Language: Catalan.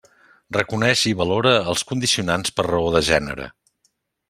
Reconeix i valora els condicionants per raó de gènere.